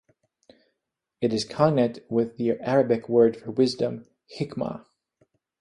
It is cognate with the Arabic word for wisdom "hikmah".